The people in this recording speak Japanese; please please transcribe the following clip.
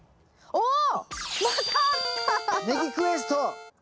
おお。